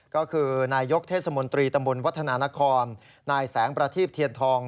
ก็คือนายกเทศมนตรีตำบลวัฒนานครนายแสงประทีบเทียนทอง